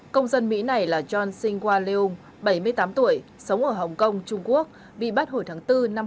công dân mỹ này là john singwa leeum bảy mươi tám tuổi sống ở hồng kông trung quốc bị bắt hồi tháng bốn năm hai nghìn hai mươi